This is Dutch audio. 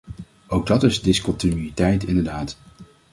Ook dat is discontinuïteit, inderdaad.